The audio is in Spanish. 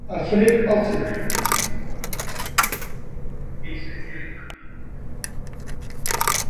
Afrique Occ.